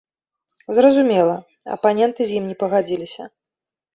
Зразумела, апаненты з ім не пагадзіліся.